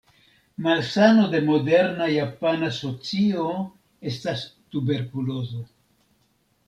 Malsano de moderna japana socio estas tuberkulozo.